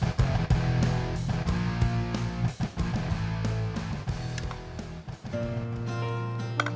gue udah berhasil